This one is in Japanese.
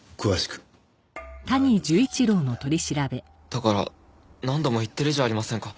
だから何度も言ってるじゃありませんか。